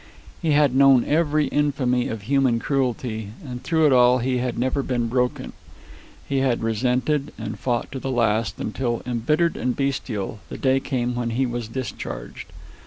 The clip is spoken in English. He had known every infamy of human cruelty, and through it all he had never been broken. He had resented and fought to the last, until, embittered and bestial, the day came when he was discharged.